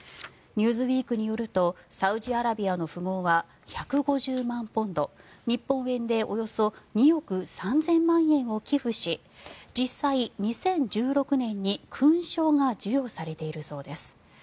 「ニューズウィーク」によるとサウジアラビアの富豪は１５０万ポンド、日本円でおよそ２億３０００万円を寄付し実際、２０１６年に勲章が授与されているそうです。